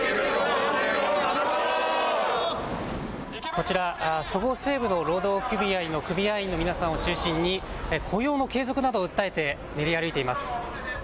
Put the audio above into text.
こちら、そごう・西武の労働組合の組合員の皆さんを中心に雇用の継続などを訴えて練り歩いています。